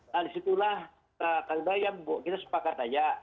nah disitulah kita sepakat saja